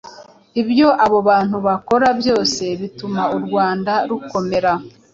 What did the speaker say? ibyo abo bantu bakora byose bituma u Rwanda rukomera